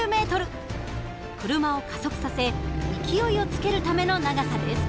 車を加速させ勢いをつけるための長さです。